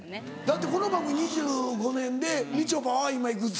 だってこの番組２５年でみちょぱは今いくつ？